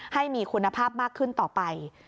ให้มีคุณภาพมากขึ้นต่อไป